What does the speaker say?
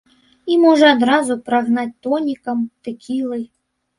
І можна адразу прагнаць тонікам, тэкілай.